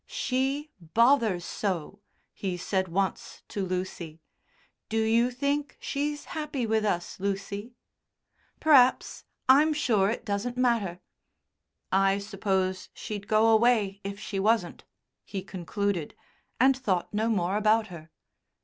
"She bothers so," he said once to Lucy. "Do you think she's happy with us, Lucy?" "P'r'aps. I'm sure it doesn't matter." "I suppose she'd go away if she wasn't," he concluded, and thought no more about her.